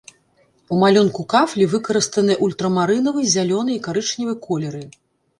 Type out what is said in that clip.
У малюнку кафлі выкарыстаны ультрамарынавы, зялёны і карычневы колеры.